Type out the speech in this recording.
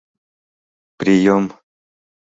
Приём».